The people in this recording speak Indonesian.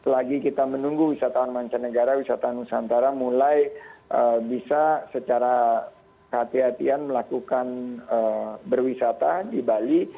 lagi kita menunggu wisatawan mancanegara wisata nusantara mulai bisa secara kehatian melakukan berwisata di bali